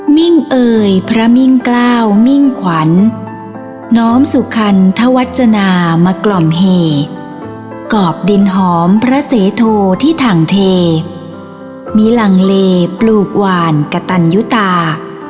มิ่งเอ่ยพระมิ่งกล้าวมิ่งขวัญน้อมสุคันธวัจจนามากล่อมเหกรอบดินหอมพระเสโทที่ถังเทมีหลังเลปลูกหวานกะตันยุตา